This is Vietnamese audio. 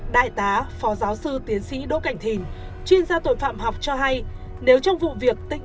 đại tá phó giáo sư tiến sĩ đỗ cảnh thìn chuyên gia tội phạm học cho hay nếu trong vụ việc tỉnh